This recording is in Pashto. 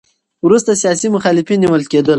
وروسته سیاسي مخالفین نیول کېدل.